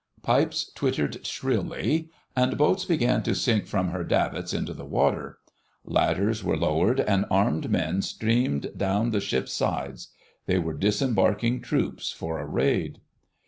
Pipes twittered shrilly, and boats began to sink from her davits into the water. Ladders were lowered, and armed men streamed down the ship's side. They were disembarking troops for a raid.